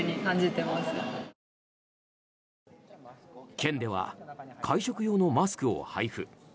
県では会食用のマスクを配布。